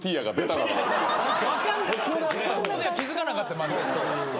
そこでは気付かなかったまだ。